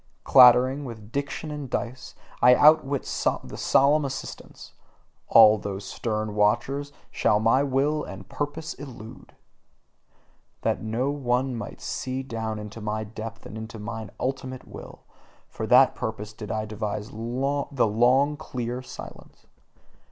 Clattering with diction and dice, I outwit the solemn assistants: all those stern watchers, shall my will and purpose elude. That no one might see down into my depth and into mine ultimate will for that purpose did I devise the long clear silence.